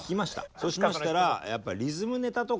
そうしましたらやっぱり。